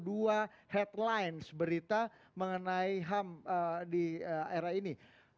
dua headlines berita mengenai ham di era ini